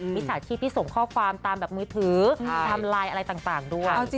มีสถาคิตที่ส่งข้อความตามมือผือตามไลน์อะไรต่างด้วย